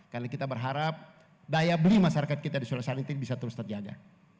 karena kita berharap daya beli masyarakat kita di sulawesi selatan bisa terus terjaga